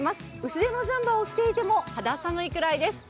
薄いジャンパーを着ていても肌寒いくらいです。